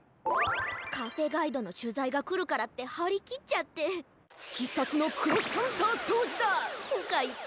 「カフェガイド」のしゅざいがくるからってはりきっちゃって「ひっさつのクロスカウンターそうじだ！」とかいって。